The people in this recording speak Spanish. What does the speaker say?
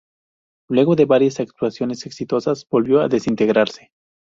Luego de varias actuaciones exitosas volvió desintegrarse.